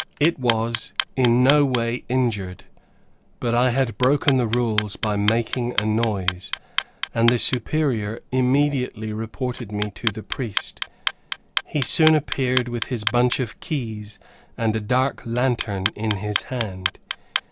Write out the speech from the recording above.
It was in no way injured, but I had broken the rules by making a noise, and the Superior immediately reported me to the priest. He soon appeared with his bunch of keys and a dark lantern in his hand.